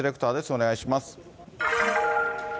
お願いします。